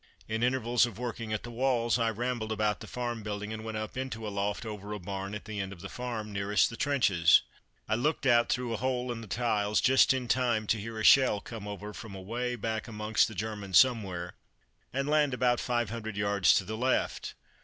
In intervals of working at the walls I rambled about the farm building, and went up into a loft over a barn at the end of the farm nearest the trenches. I looked out through a hole in the tiles just in time to hear a shell come over from away back amongst the Germans somewhere, and land about five hundred yards to the left.